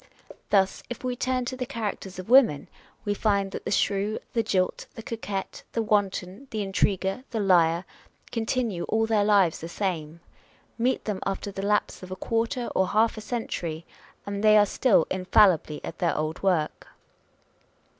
Thus, if we turn to the characters of women, we find that the shrew, the jilt, the coquette,. the wanton, the intriguer, the liar, continue all their lives the same. Meet them after the lapse of a quarter or half a century, and they are still infallibly at their old work.